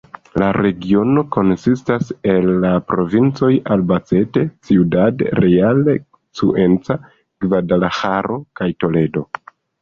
La regiono konsistas el la provincoj Albacete, Ciudad Real, Cuenca, Gvadalaĥaro kaj Toledo.